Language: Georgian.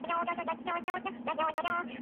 ის აბლაყი კაცი საქმეს ვერაფრით მოერია.